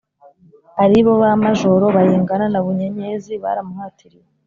ari bo ba majoro bayingana na bunyenyezi baramuhatiriye.